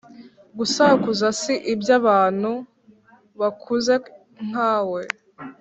Gusakuza si iby’abantu bakuze nkamwe